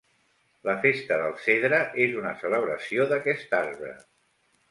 La Festa del Cedre és una celebració d'aquest arbre.